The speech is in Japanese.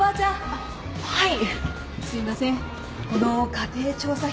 あっはい。